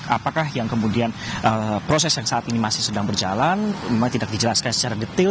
apakah yang kemudian proses yang saat ini masih sedang berjalan memang tidak dijelaskan secara detail